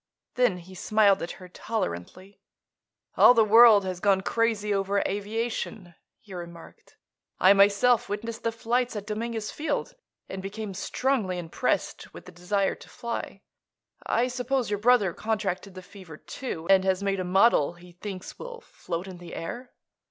Then he smiled at her tolerantly. "All the world has gone crazy over aviation," he remarked. "I, myself, witnessed the flights at Dominguez Field and became strongly impressed with the desire to fly. I suppose your brother contracted the fever, too, and has made a model he thinks will float in the air."